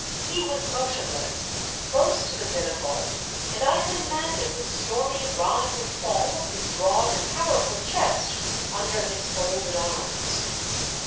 He was motionless, close to the binnacle, and I could imagine the stormy rise and fall of his broad and powerful chest under his folded arms.